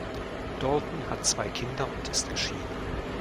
Dalton hat zwei Kinder und ist geschieden.